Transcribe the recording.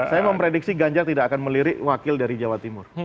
saya memprediksi ganjar tidak akan melirik wakil dari jawa timur